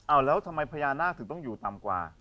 เอาแล้วทำไมพญานาคถึงต้องอยู่ต่ำกว่า